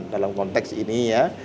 dalam konteks ini ya